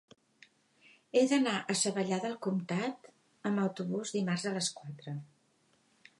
He d'anar a Savallà del Comtat amb autobús dimarts a les quatre.